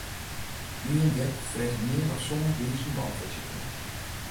Ien gek freget mear as sân wizen beäntwurdzje kinne.